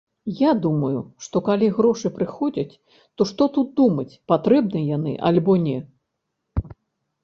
Я думаю, што калі грошы прыходзяць, то што тут думаць, патрэбныя яны альбо не.